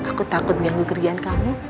aku takut mengganggu kerjaan kamu